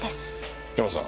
ヤマさん。